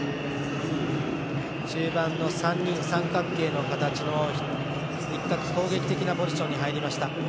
中盤の３人三角形の形の一角攻撃的なポジションに入りました。